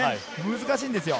難しいんですよ。